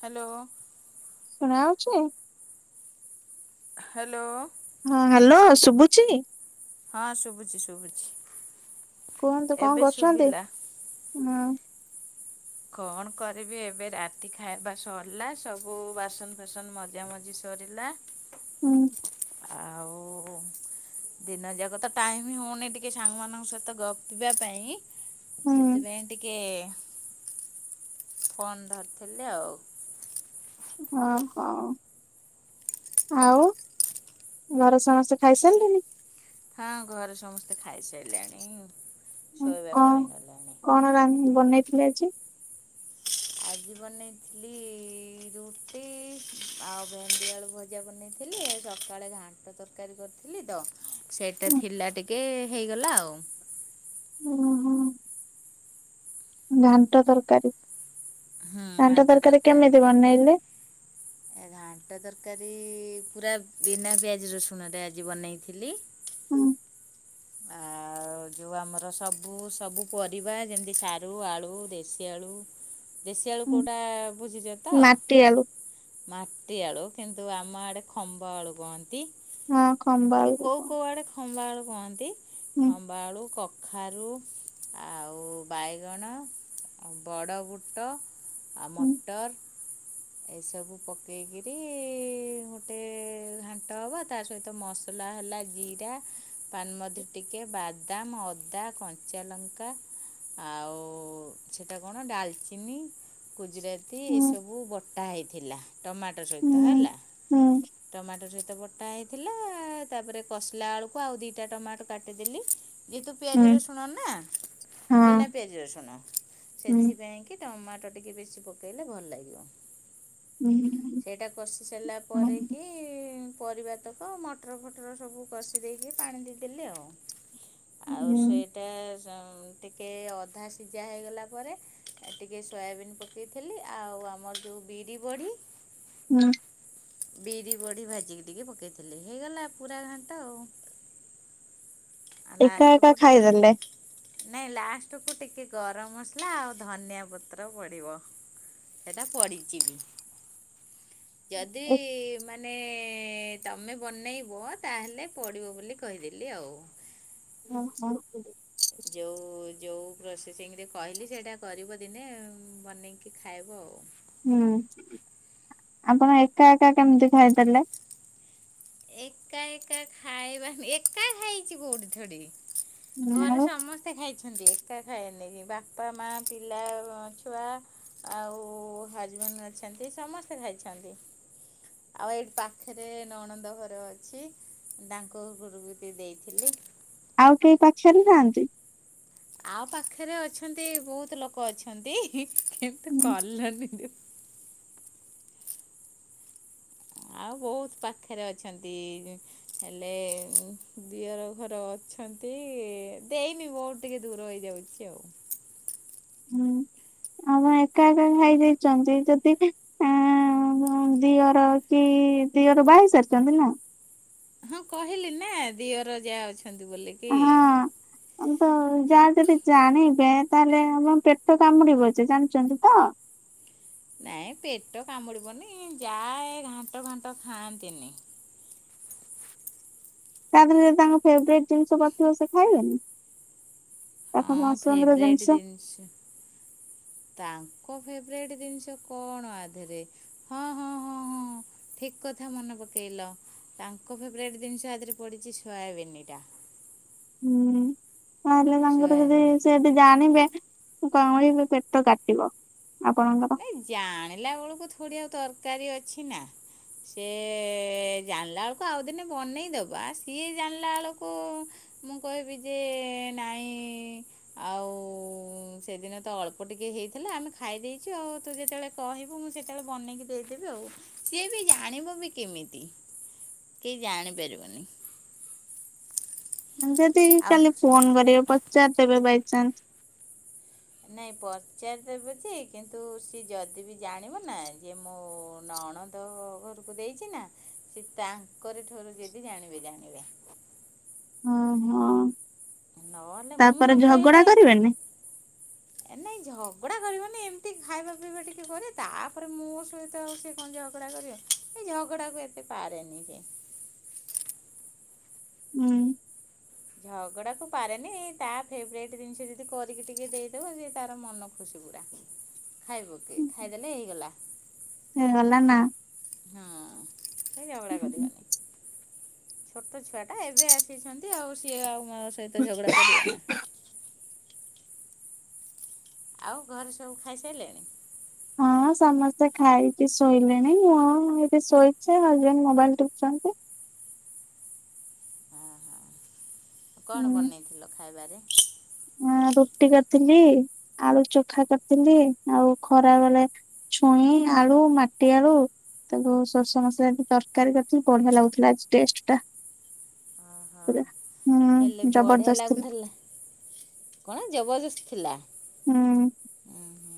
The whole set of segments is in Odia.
ହାଲୋ। ଶୁଣାଉଛି। ହାଲୋ। ହଁ ହାଲୋ ଶୁଭୁଛିି। ହଁ, ଶୁଭୁଛି ଶୁଭୁଛି। କୁହନ୍ତୁ କଣ ଏବେ କରୁଛନ୍ତି, ଶୁଭିଲା। ହୁଁ। କଣ କରିବି ଏବେ ରାତି ଖାଇବା ସରିଲା ସବୁ ବାସନ ଫାସନ ମଜା ମଜି ସରିଲା। ହୁଁ। ଆଉ ଦିନ ଯାକ ତ ଟାଇମ ହଉନି ଟିକେ ସାଙ୍ଗମାନଙ୍କ ସହିତ ଗପିବା ପାଇଁ। ହୁଁ ସେଥିପାଇଁ ଟିକେ ଫୋନ୍ ଧରିଥିଲି ଆଉ। ହଁ, ହଁ। ଆଉ ଘର ସମସ୍ତେ ଖାଇସାରିଲେଣିି? ହଁ, ଘରେ ସମସ୍ତେ ଖାଇସାରିଲେଣି। ଉଁ ଶୋଇବା କଣ ପାଇଁ ଗଲେଣି। କଣ ରାନ୍ ବନେଇଥିଲି ଆଜି? ଆଜି ବନେଇଥିଲି ରୁଟି ଆଉ ଭେଣ୍ଡି ଆଳୁ ଭଜା ବନେଇ ଥିଲି, ସକାଳେ ଘାଣ୍ଟ ତରକାରୀ କରିଥିଲି ତ ସେଇଟା ଥିଲା ଟିକେ ହେଇଗଲା ଆଉ। ହୁଁ, ହୁଁ। ଘାଣ୍ଟ ତରକାରୀ ଘାଣ୍ଟ ତରକାରୀ କେମିତି ବନେଇଲେ? ଏ ଘାଣ୍ଟ ତରକାରୀ ପୁରା ବିନା ପିଆଜ ରସୁଣ ରେ ଆଜି ବନେଇଥିଲି। ହୁଁ। ଆ ଆ ଯଉ ଆମର ସବୁ ସବୁ ପରିବା ଯେମିତି ସାରୁ, ଆଳୁ, ଦେଶୀ ଆଳୁ ଦେଶି ଆଳୁ କୋଉଟା ବୁଝିଛ ତ ମାଟି ଆଳୁ ମାଟି ଆଳୁ କିନ୍ତୁ ଆମ ଆଡେ ଖମ୍ବ ଆଳୁ କୁହନ୍ତି। ହଁ, ଖମ୍ବ ଆଳୁ ବି କୁହ ଖମ୍ବ ଆଳୁ କୁହନ୍ତି, ଖମ୍ବ ଆଳୁ କ ଖାରୁ ଆଉ ବାଇଗଣ ଆଉ ବଡ଼ ବୁଟ ଆଉ ହୁଁ ମଟର। ଏଇ ସବୁ ପକେଇକିରି ଗୋଟେ ଘାଣ୍ଟ ହବ ତା ସହିତ ମସଲା ହେଲା ଜିରା, ପାନମଧୁରୀ ଟିକେ ବାଦାମ, ଅଦା, କଞ୍ଚା ଲଙ୍କା ଆଉ ସେଟା କଣ ଡାଲଚିନି ଗୁ ଜୁରାତି ହୁଁ ଏଇ ସବୁ ବଟା ହେଇଥିଲା ଟମାଟୋ ସହିତ ହୁଁ। ହେଲା ହୁଁ ଟମାଟୋ ସହି ତ ବଟା ହେଇଥିଲା, ତାପରେ କସିଲା ବେଳକୁ ଆଉ ଦିଟା ଟମାଟୋ କାଟିଦେଲି। ଯେହେତୁ ପିଆଜ ହୁଁ ରସୁଣ ନା ବିନା ହଁ ପିଆଜ ରସୁଣ ହୁଁ ସେଥିପାଇଁ କି ଟମା ଟ ଟିକେ ବେଶୀ ପକେଇଲେ ଭଲ ଲାଗିବ। ହୁଁ। ସେଇଟା କଷି ସାରିଲା ପରେ ହୁଁ କି ପରିବା ତକ ମଟର ଫଟର ସବୁ କଷି ଦେଇକି ପାଣି ଦେଇଦେଲି ଆଉ। ଆଉ ସେଇଟା ଯାଉ ଟିକେ ଅଧା ସିଝା ହୋଇଗଲା ପରେ ଟିକିଏ ସୋୟାବିନ୍ ପକେଇଥିଲି ଆଉ ତ ଆମର ଯୋଉ ବିରି ବଢ଼ି ହୁଁ। ବିରି ବଢ଼ି ଭାଜିକି ଟିକେ ପକେଇଥିଲି ହେଇଗଲା ପୁରା ଘାଣ୍ଟ ଆଉ। ଆଉ ଏକା ଏକା ଲାଷ୍ଟକୁ ଟିକେ ଖାଇଦେଲେ। ନାଇଁ ଲାଷ୍ଟ କୁ ଟିକେ ଗରମ ମସଲା ଆଉ ଧନିଆ ପତ୍ର ପଡିବ। ସେଟା ପଡିଚି ବି। ଯଦି ମାନ ମାନେ ତମେ ବନେଇବ ତାହେଲେ ପଡିବ ବୋଲି କହିଦେଲି ଆଉ। ହଁ ହଁ। ଯୋଉ ଯୋଉ ପ୍ରୋସେସିଂରେ କହିଲି ସେଇଟା କରିବ ଦିନେ ବନେଇକି ଖାଇବ ଆଉ। ହୁଁ ଆପଣ ଏକା ଏକା କେମିତି ଖାଇଦେଲେ? ଏକା ଏକା ଖାଇବାନି ଏକା ଖାଇଚି କୋଉଠି ଥୋଡ଼ି ହୁଁ, ଘରେ ଆଉ ସମସ୍ତେ ଖାଇଚ ଏକା ଖାଇନି ବାପା ମା ପିଲା ଛୁଆ ଆଉ ହଜବ ଅଛନ୍ତି ସମସ୍ତେ ଖାଇଛନ୍ତି ଆଉ ଏଇଠି ପାଖରେ ନଣନ୍ଦ ଘରେ ଅଛି ତାଙ୍କ ଘରକୁ ଟିକେ ଦେଇଥିଲି। ଆଉ କେହି ପଚାରୁଥାନ୍ତି? ଆଉ ପାଖରେ ଅଛନ୍ତି ବହୁତ ଲୋକ ଅଛନ୍ତି କିନ୍ତୁ ହୁଁ କଲନି ଆଉ ବହୁତ ପାଖରେ ଅଛନ୍ତି ହେଲେ ଦିଅର ଘର ଅଛନ୍ତି ଦେଇନି ବହୁତ ଟିକେ ଦୂର ହେଇଯାଉଚି ଆଉ। ହୁଁ ଆପଣ ଏକା ଏକା ଖାଇଯାଇଚନ୍ତି ଯଦି ଅଁ ତମ ଦିଅର କି ଦିଅର ବାହାହେଇ ସାରିଚନ୍ତି ନା? ହଁ କହିଲି ନା ଦିଅର ଜା ଅଛନ୍ତି ବୋଲ କିି। ତ ଯାହା ଯଦି ଜାଣିବେ ତାହେଲେ ଆମ ପେଟ କାମୁଡିବ ଯେ ଜାଣିଚନ୍ତି ତ ନାଇଁ ପେଟ କାମୁଡିବନି ଜା ଏ ଘାଣ୍ଟ ଫାଣ୍ଟ ଖାଆନ୍ତିନି। ତା ଦେହରେ ଯଦି ତାଙ୍କ ଫେବରଟ୍ ଜିନିଷ ପିଡିଥିବ ସେ ଖାଇବେନି? ତାଙ୍କ ହଁ ପସନ୍ଦର ଫେବରଟ୍ ଜିନିଷ ତାଙ୍କୁ ଙ୍କ ଫେବେରେଟ୍ ଜିନିଷ କଣ ଆଧରେ ହଁ ହଁ ହଁ ହଁ ଠିକ କଥା ମନେ ପ ପକେଇଲ ତାଙ୍କୁବି ବ୍ରେକ ଜିନିଷ ଆଦିହରେ ପଡିଛି ସୋୟାବିନାଟା। ହୁଁ ତାହେଲେ ତାଙ୍କର ଯଦି ସୋୟାବିନି ସେ ଯଦି ଜାଣିବେ କଁଳିବେ ପେଟ କାଟିବ। ଆପଣଙ୍କର। ନାଇ ଜାଣିଲା ବେଳକୁ ଥୋଡି ଆଉ ତରକାରୀ ଅଛି ନା ସେ ଜାଣିଲା ବେଳକୁ ଆଉ ଦିନେ ବନେଇ ଦବା ସିଏ ଜାଣିଲା ବେଳକୁ ମୁଁ କହିବି ଯେ ନାଇଁ ଆଉ ସେଦିନ ତ ଅଳ୍ପ ଟିକେ ଏ ହେଇଥିଲା ଆମେ ଖାଇ ଦେଇେ ଆଉ ତୁ ଯେତେବେଳେ କହିବୁ ମୁଁ ସେତେବେଳେ ବନେଇକି ଦେଇଦେବି ଆଉ, ସିଏ ବି ଜାଣିବ ବି କେମିତି। କେହି ଜାଣିପାରିବନି ଯଦି ଆଉ କାଲି ଫୋନ କରିବେ ପଚାରିଦେବେ ବାଇଚାଞ୍ଚ ନାଇଁ ପଚାରିଦେବ ଯେ କିନ୍ତୁ ସିଏ ଯଦି ବି ଜାଣିବ ନା ଯେ ମୁଁ ନ ନଣନ୍ଦ ଘରକୁ ଦେଇଚି ନା ସେ ତାଙ୍କରି ଠରୁ ଯଦି ଜାଣିବେ ଜାଣିବେ ହଁ ହଁ। ନହେଲେ ମୁଁ ନ କହିଲେ, କରିବେନି? ଏ ନାଇ ଝଗଡା କରିବ ହ ଖାଇବା ପିଇବା ଟିକେ କରେ ତାପରେ ମୋ ସହିତ ଆଉ ସିଏ କଣ ଝଗଡ଼ା କରିବେ ଏଇ ଝଗଡ଼ାକୁ ଏତେ ପା। [unintelligible] [inaudible] ହୁଁ। ଝଗଡ଼ାକୁ ପାରେନି ତା ଫେବରଟ୍ ଜିନିଷ ଯଦି କରିକି ଟିକେ ଦେଇଦେବ ଯି ତାର ମନ ଖୁସି ପୁରା। [inaudible] ଖାଇବୁ କି ଖାଇଦେଲେ ହେଇଗଲା। ହଁ ମଲା ନା? ହୁଁ ଝଗଡା କରିବାନି। ଛୋଟ ଛୁଆ ଟା ଏବେ ଆସିଛନ୍ତି ଆଉ ସିଏ ଆଉ ମୋ ସହିତ ଝଗଡା କରିଗଲା। ଆଉ ଘରେ ସବୁ ଖାଇସାରିଲେଣି? ହଁ। ହଁ ସମସ୍ତେ ଖାଇକି ଶୋଇଲେଣି। ମୁଁ ଏଠି ଶୋଇଚି ହଜବେଣ୍ଡ ମୋବାଇଲ ଟିପୁଛନ୍ତି। ହଁ ହଁ କଣ ବନେଇଥିଲ ଖାଇବାରେ? ହଁ। ରୁଟି କରିଥିଲି, ଆଳୁ ଚୋଖା କରିଥିଲି ଆଉ ଖରା ବେଳେ ଛୁଇଁ ଆଳୁ, ମାଟି ଆଳୁ ତାକୁ ସୋରିଷ ମସଲା ତରକାରୀ କରିଥିଲି ବଢିଆ ଲାଗୁଥିଲା ଆଜି ଟେଷ୍ଟ ଟା। ଓହୋ। ହେଲେ ହୁଁ ବଢ଼ିଆ ଜବରଦସ୍ତ ଥିଲା। ଲାଗୁଥିଲା କଣ ଜବରଦସ୍ ଥିଲା। ହୁଁ। ଉଁ ହୁଁ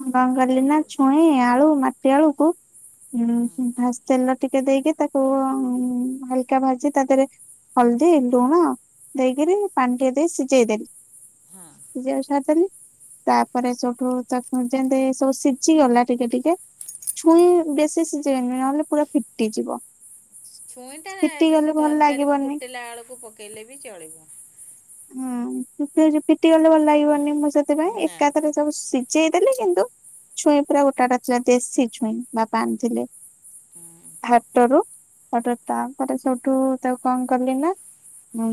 ମୁଁ କଣ କିଲି ନା ଜବରଦସ୍ତ ଛୁଇଁ ଆଳୁ ମାଟି ଆଳୁକୁ ଉଁ ହଁ ଫାସ ତେଲ ଟିକେ ଦେଇକି ତାକୁ ଉଁ ହାଲକା ଭାଜି ତା ଦେହରେ ହଳଦୀ ଲୁଣ ଦେଇକିରି ପାଣି ଟିକେ ଦେଇକି ସିଜେଇଦେ। ହଁ। ଯ ସାରିଦେଲି ତାପରେ ସେଉଠୁ। ତାକୁ ଯେନ୍ତି ସବୁ ସିଝି ଗଲା ଟିକେ ଟିକେ ଛୁଇଁ ହୁଁ। ବେଶି ସିଜେଇବେନି ନହଲେ ପୁରା ଫିଟିଯିବ। ଛୁଇଁ ଟା ଫିଟି ଯୋଉ ଗଲେ ଭଲ ତରକାରୀ ଲାଗିବନି। ଫୁଟିଲା ବେଳକୁ ପକେଇଲେ ବି ଚଳିବ। ହୁଁ ତରକାରୀ ଫିଟି ଗଲେ ଭଲ ଲାଗିବନି। ମୁଁ ସେଥିପାଇଁ ନା ଏକାଥରେ ସବୁ ସି ଚେଇ ଦେଲେ କିନ୍ତୁ ଛୁଇଁ ପୁରା ଗୋଟା ଗୋଟା ଥିଲା। ଦେଶୀ ଛୁଇଁ ବାପା ଆଣିଥିଲେ। ହୁଁ ହାଟରୁ ତାପରେ ସେଠୁ ତାକୁ କଣ କଲି ନା ହଁ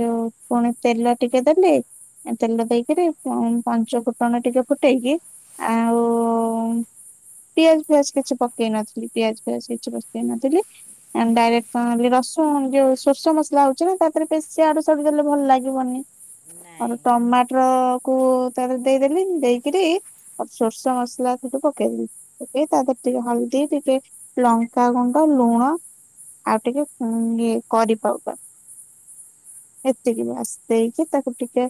ଯୋଉ ପୁଣି ତେଲ ଟିକେ ଦେଲି ତେଲ ଦେଇକିରି ପଞ୍ଚ ଫୁଟଣ ଟିକେ ଫୁ ଫୁଟେଇକି ଆଉ ହଁ ପିଆଜ ପିଆଜ କିଛି ପକେଇ ନଥିଲି ପିଆଜ ପିଆଜ କିଛି ପକେଇ ନଥିଲି ଆ ନା ଡାଇରେକ୍ଟ୍ କଣ ର ରୁଣ ଯୋଉ ସୋର୍ଷ ମସଲା ହଉଚି ନା ତା ଦେହରେ ବେଶି ଆଡୁ ଶାଡୁ ଦେଲେ ଭଲ ଲାଗିବନି। ଆଉ ନାଇଁ। ଟମାଟର କୁ ତାର ଦେଇଦେଲି ଦେଇକରି ସୋର୍ଷ ମସଲା ସେଠୁ ପକେଇଦଲି ପକେଇ ତା ଦେରେ ଟିକେ ହଳଦୀ ଟିକେ ଲଙ୍କାଗୁଣ୍ଡ ଲୁଣ ଆଉ ଟିକେ ଉଁ ଇଏ କରିପାଉବାର। ଏତିକି ବାସ୍ ଦେଇଚି ତାକୁ ଟିକେ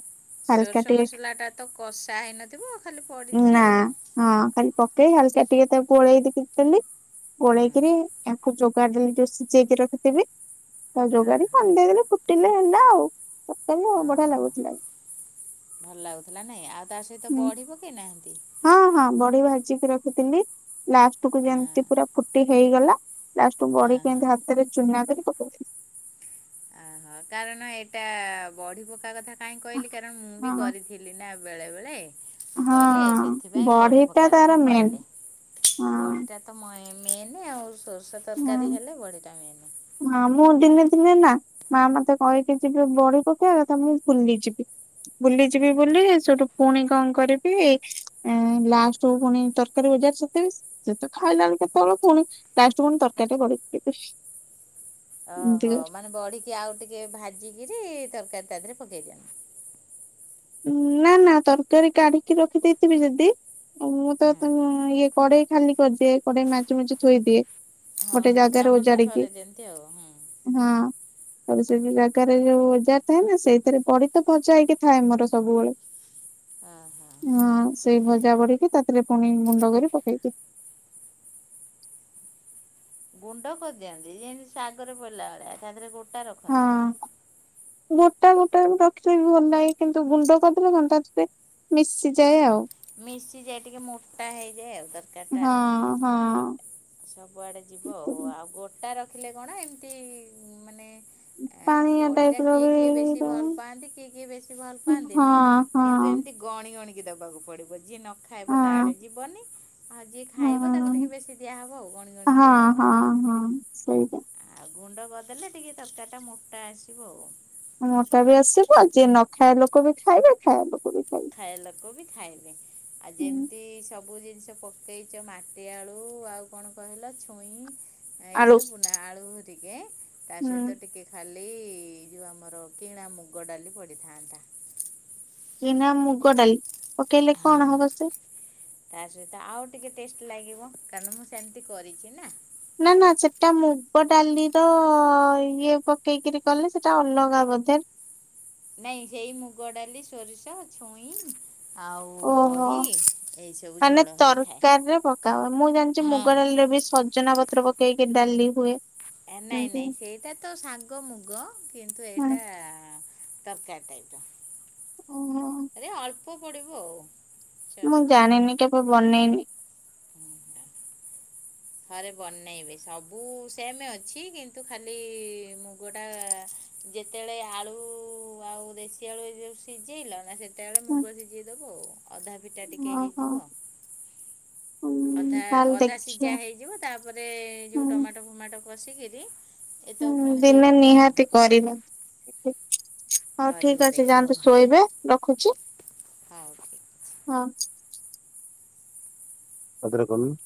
ହାଲକା ସୋରଷ ଟିକେ ମସଲା ଟା ତ କଷା ହେଇନଥିବ ଖାଲି ପଡ଼ିଛି ନା ଆଉ। ହଁ ଖାଲି ପକେଇ ଖାଲକା ଟିକେ ତାକୁ। [unintelligible] ହୁଁ। ଗୋଳେଇକିରି ଆକୁ ଯୋଗାଡ଼ ଦେଲି ସିଜେଇ କି ରଖିଥିବି। ତା ଆ ଯୋଗାଡି ହା ଖଣ୍ଡେଇ ଦେଲେ ଫୁଟିଲେ ହେଲା ଆଉ, ପକେଇଲେ ବଢିଆ ହଁ ଲାଗୁଥିଲା। ଭଲ ଲାଗୁଥିଲା ନାଇଁ। ଆଉ ତା ସହିତ ବଡି ପକେଇ ନାହାନ୍ତି? ବଡି ଭାଜିିକି ରଖିଥିଲି। ଲାଷ୍ଟ କୁ ହଁ ଯେମତି ପୁରା ଫୁଟି ହେଇଗଲା ଲାଷ୍ଟ କ ବଡି ହଁ କୁ ହଁ ଏମିତି ହାତରେ ଚୁନା କରିକି ପକେଇଦେବେ। ହଁ କାରଣ ଏଇଟା ବଡି ପକା କଥା କାହିଁକି କହିଲି କାରଣ ମୁଁ ବି ହଁ କରିଥିଲି ନା। ବେଳେ ବେଳେ ହଁ କରେ ସେଥିପାଇଁ ବଡି ବଢିଟା ପକେଇବା ତାର କଥା ମେନ୍ କହିଲି। ହଁ ବଡି ଟା ତ ମ ଏ ମେନ୍ ଆଉ ସୋର୍ଷ ତରକାରୀ ହେଲେ ବଢିଟା ମେନ୍। ମା ମୁଁ ଦିନେ ଦିନେ ନା ମା ମତେ କହେକି ଯିବି ବଢ ପକେଇଆ କଥା ମୁଁ ଭୁଲି ଯିବି। ବୁଲି ଯିବି ବୋଲି ସେଠୁ ପୁଣି କଣ କରିବି ଲାଷ୍ଟ କୁ ପୁଣି ତରକାରୀ ଓ [unintelligible] ସେତ ଖାଇଲା ବେଳେ କେତେବେଳ ପୁଣି ଲାଷ୍ଟ ପୁଣି ତରକାରୀ କରିବି। ଓହୋ ମାନେ ବଡି କି ଆଉ ଟିକେ ଭାଜିକିରି ତରକାରୀ ତା ଦେହରେ ପକେଇ ଦିଅନ୍ତି। ନା ନା ତରକାରୀ କାଢିକି ରଖିଦେଇଥିବି ଯଦି, ମୁଁ ତ ହଁ ଇଏ କଡେଇ ଖାଲି କରିଦିଏ କଡେଇ ମାଜ ମାଜି ଥୋଇଦିଏ। ହଁ ଗୋଟେ ହଁ ଜାଗାରେ କାମ ଟା ଓଜାଡିକି ସରେଇ ଦିଅନ୍ତି ଆଉ ହୁଁ। ଆ ସେ ଜାଗାରେ ଯୋଉ ବଜାର ଥାଏ ନା ସେଇଥିରେ ପଡି ତ ସଜା ହେଇକି ଥାଏ ଆମର ସବୁବେଳେ। ଓହୋ ହଁ ସେଇ ପରି ପଜା ବଢିକି ତାପରେ ପୁଣି ଗୁଣ୍ଡ କରି ପକେଇଦିଏ। ଗୁଣ୍ଡ କରିଦିଅନ୍ତି, ଯେମିତି ଶାଗରେ ପଡିଲା ଭଳିଆ ତା ଦେହରେ ଗୋଟା ରଖନ୍ତିନି। ହଁ ଗୋଟା ଗୋଟା ରଖିଲେ ବି ଭଲ ଲାଗେ କିନ୍ତୁ ଗୁଣ୍ଡ କରିଦେଲେ [unintelligible] ଟେ ମିଶିଯାଏ ଆଉ ମିଶିଯାଏ ଟିକେ ମୋଟା ହେଇଯାଏ ଆଉ ତରକାରି ଟା ଆଉ। ହଁ ହଁ ସବୁଆଡେ ଯିବ ଆଉ, ଆଉ ଗୋଟା ରଖିଲେ କଣ ଏମିତି ମାନେ [inaudible] ଆ ବଢି ଟା ଟାଇପ ର କିଏ ବି କିଏ ବେଶୀ ଭଲ ହଁ ପାଆନ୍ତି କିଏ କିଏ ବେଶୀ ଭଲ ହଁ ପାଆନ୍ତିନି କିନ୍ତୁ ଏମିତି ହଁ ଗଣି ଗଣି ଦବାକୁ ପଡିବ ଯିଏ ନ ଖାଇବ ତା ଆଡେ ଯିବନି ଆଉ ଯିଏ ହଁ ଖାଇବ ତାକୁ ଟିକେ ବେଶୀ ଦିଆହବ ଆଉ ଗଣି ଗଣିକି ହଁ ଆଉ। ହଁ ହଁ ସେଇଟା। ଆଉ ଗୁଣ୍ଡ କରିଦେଲେ ଟିକେ ତରକାରୀ ଟା ମୋଟା ଆସିବ ଆଉ। ମୋଟା ବି ଆସିବ ଆ ଯିଏ ନ ଖାଇବା ଲୋକ ବି ଖାଇବେ, ଖାଇବା ଲୋକ ବି ଖାଇବେ ଖାଇବା ଲୋକ ବି ଖାଇବେ। ଆଉ ହୁଁ ଯେମିତି ସବୁ ଜିନିଷ ପକେଇଛ, ମାଟି ଆଳୁ ଆଉ କଣ କହିଲ ଛୁଇଁ ଏଇ ଆଳୁ ସବୁ ନା ଆଳୁ ଟିକେ ତା ହୁଁ ସହିତ ଟିକେ ଖା ଏଇ ଯୋଉ ଆମର କିଣା ମୁଗ ଡାଲି ପଡିଥାନ୍ତା। କି ନା ମୁଗଡାଲ। ହଁ ତା ସହିତ ଆଉ ଟିକେ ଟେଷ୍ଟ ଲାଗିବ କାରଣ ମୁଁ ସେମିତି କରିଛି ନା। ନା ନା ସେଟା ମୁଗ ଡାଲିର ଇଏ ପକେଇକିରି କଲେ ସେଟା ଅଲଗା ବୋଧେ ନାଇଁ ସେଇ ମୁଗ ଡାଲି ସୋରିଷ ଛୁଇଁ। ଆଉ ଓହୋ। ବଢି ଏଇ ସବୁ ମାନେ ଝଡ ହେଇଥାଏ ତରକାରୀ ରେ ପକା ହୁଏ ମୁଁ ଜାଣିଛି ହଁ। ମୁଗ ଡାଲିରେ ବି ସଜନା ପତ୍ର ପକେଇକି ଡାଲି ହୁଏ। ନାଇଁ ଏମିତି ନାଇଁ ହୁଁ ସେଇଟା ତ ଶାଗ ମୁଗ କିନ୍ତୁ ଏଇଟା ତରକାରୀ ଟାଇପ ର ଓହୋ ଆରେ ଅଳ୍ପ ପଡିବ ଆଉ ଆଚ୍ଛା ମୁଁ ଜାଣିନି କେବେ ବନେଇନି। ହୁଁ ହଁ। ଥରେ ବନେଇବେ। ସବୁ ସେମ ଅଛି କିନ୍ତୁ ଖାଲି-ଇ-ମୁଗଟା-ଆ ଯେତେବେଳେ ଆଳୁ ଉ ଆଉ ଦେଶୀ ଆଳୁ ଏ ଯୁ ସିଝେଇଲ ନା ସେ ତେବେଳେ ହୁଁ ମୁଗ ସିଝେଇଦବ, ଆଉ ଅଧା ଫିଟା ଟିକେ ଓହୋ ହେଇଯିବ। ହୁଁ ଅଧା ତାହେଲେ ଅଧା ଦେଖିବା ସିଝା ହେଇଯିବ ତାପରେ ଯୋଉ ହୁଁ। ଟମାଟୋ ଫୁମାଟୋ କଷିକିରି ହୁଁ ଏତକ ପୁଣି ଦିନେ ଦେଇଦେବ ଆଉ ନିହାତି କରିବା। [inaudible] ହଉ କରିବ ଠିକ୍ ଅଛି ଦେଖିବ ଭ ଯାଆନ୍ତୁ ଶୋଇବେ ରଖୁଛି। ହଉ ଠିକ୍ଅଛି। ହଁ। ଆ ଧେରେ କରୁନୁ।